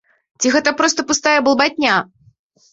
Ці гэта проста пустая балбатня?